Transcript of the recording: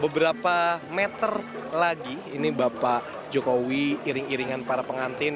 beberapa meter lagi ini bapak jokowi iring iringan para pengantin